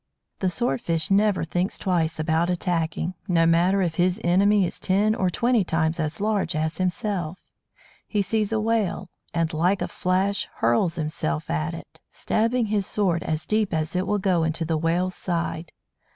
The Sword fish never thinks twice about attacking, no matter if his enemy is ten or twenty times as large as himself. He sees a Whale, and, like a flash, hurls himself at it, stabbing his sword as deep as it will go into the Whale's side.